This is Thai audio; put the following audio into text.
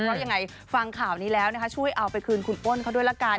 เพราะยังไงฟังข่าวนี้แล้วนะคะช่วยเอาไปคืนคุณอ้นเขาด้วยละกัน